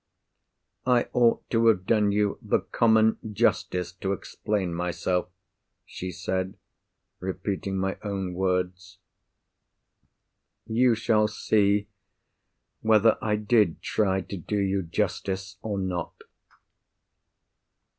"I ought to have done you the common justice to explain myself," she said, repeating my own words. "You shall see whether I did try to do you justice, or not.